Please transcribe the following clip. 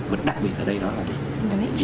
và đặc biệt ở đây đó là gì